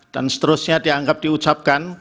dan seterusnya dianggap diucapkan